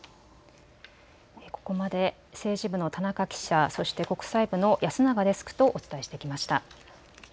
ここまで政治部の田中記者、国際部の安永デスクとお伝えしてきました。